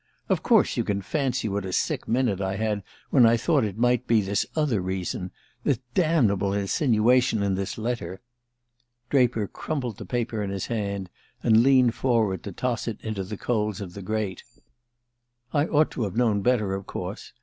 Of course you can fancy what a sick minute I had when I thought it might be this other reason the damnable insinuation in this letter." Draper crumpled the paper in his hand, and leaned forward to toss it into the coals of the grate. "I ought to have known better, of course.